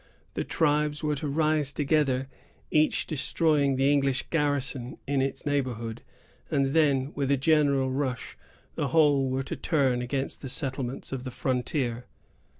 The tribes were to rise together, each destroying the English garrison in its neighborhood, and then, with a general rush, the whole were to turn against the settlements of the frontier.